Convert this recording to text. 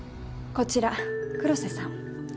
こちら黒瀬さん